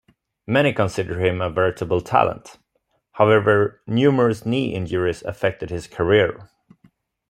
Many consider him a veritable talent, however numerous knee injures affected his career.